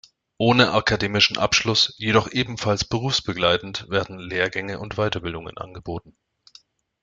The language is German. Ohne akademischen Abschluss, jedoch ebenfalls berufsbegleitend, werden Lehrgänge und Weiterbildungen angeboten.